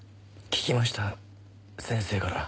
聞きました先生から。